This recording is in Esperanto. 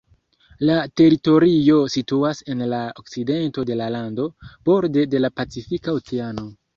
La teritorio situas en la okcidento de la lando, borde de la Pacifika Oceano.